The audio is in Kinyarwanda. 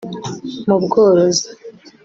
mu bworozi